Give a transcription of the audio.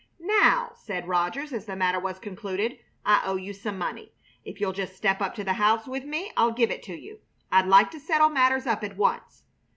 "Now," said Rogers, as the matter was concluded, "I owe you some money. If you'll just step up to the house with me I'll give it to you. I'd like to settle matters up at once."